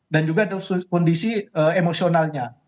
dan juga kondisi emosionalnya